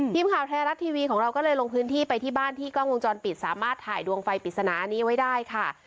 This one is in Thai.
ทีมข่าวไทยรัฐทีวีของเราก็เลยลงพื้นที่ไปที่บ้านที่กล้องวงจรปิดสามารถถ่ายดวงไฟปริศนานี้ไว้ได้ค่ะ